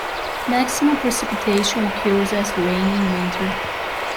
Maximum precipitation occurs as rain in winter.